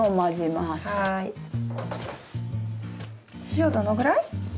塩どのぐらい？